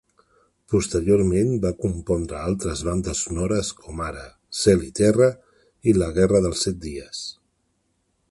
Posteriorment va compondre altres bandes sonores com ara "Cel i Terra" i "La Guerra dels Set Dies".